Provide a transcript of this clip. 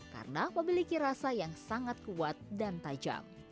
karena memiliki rasa yang sangat kuat dan tajam